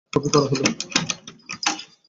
Copy করা হলো!